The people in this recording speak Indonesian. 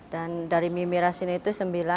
dan dari mimi rasinah itu sembilan